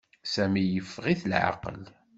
Sami yeffeɣ-it leɛqel.